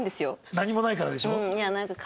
何もないからでしょ？